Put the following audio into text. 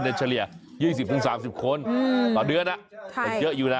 เพราะว่าครูในเฉลี่ย๒๐๓๐คนต่อเดือนมันเยอะอยู่นะ